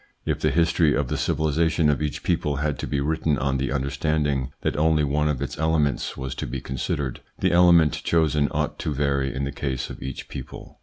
If the history of the civilisation of each people had to be written on the understanding that only one of its elements was to be considered, the element chosen ought to vary in the case of each people.